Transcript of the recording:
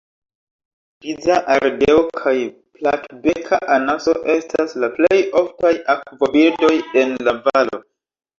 Griza ardeo kaj platbeka anaso estas la plej oftaj akvobirdoj en la valo.